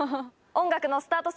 音楽のスタート